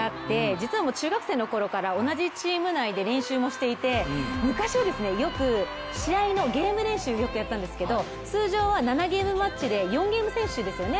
実はもう中学生のころから同じチーム内で練習もしていて、昔はよく試合のゲーム練習をやったんですけど通常は７ゲームマッチで４ゲーム先取ですよね。